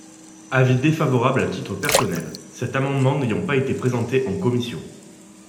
Avis défavorable à titre personnel, cet amendement n’ayant pas été présenté en commission.